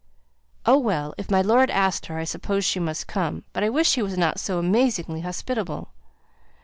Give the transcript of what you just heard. "Oh, well! if my lord asked her, I suppose she must come, but I wish he was not so amazingly hospitable!